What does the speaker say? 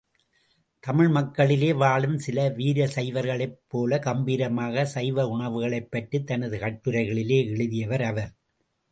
தமிழ்மக்களிலே வாழும் சில வீர சைவர்களைப் போல கம்பீரமாக சைவ உணவுகளைப் பற்றித் தனது கட்டுரைகளிலே எழுதியவர் அவர்.